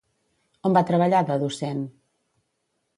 On va treballar de docent?